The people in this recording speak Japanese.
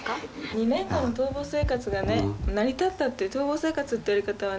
２年間の逃亡生活がね成り立ったっていう「逃亡生活」っていう言われ方はね